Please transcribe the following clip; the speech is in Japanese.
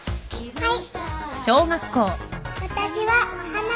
はい。